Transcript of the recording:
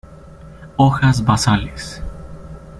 Hojas basales.